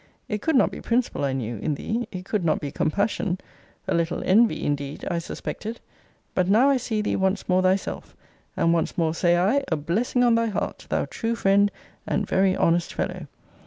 It could not be principle, I knew, in thee: it could not be compassion a little envy indeed I suspected! But now I see thee once more thyself: and once more, say I, a blessing on thy heart, thou true friend, and very honest fellow!